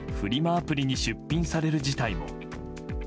アプリに出品される事態も。